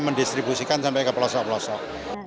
mendistribusikan sampai ke pelosok pelosok